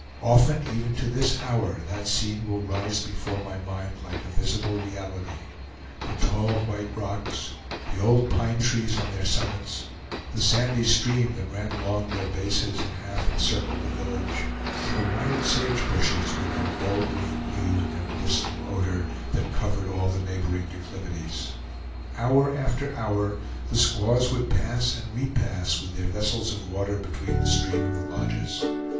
Often, even to this hour, that scene will rise before my mind like a visible reality: the tall white rocks; the old pine trees on their summits; the sandy stream that ran along their bases and half encircled the village; and the wild sage bushes, with their dull green hue and their medicinal odor, that covered all the neighboring declivities. Hour after hour the squaws would pass and repass with their vessels of water between the stream and the lodges.